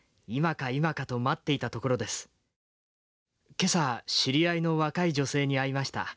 今朝知り合いの若い女性に会いました。